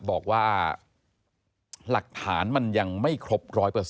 บอกว่าหลักฐานมันยังไม่ครบ๑๐๐